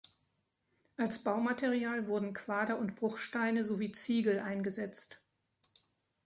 Als Baumaterial wurden Quader- und Bruchsteine sowie Ziegel eingesetzt.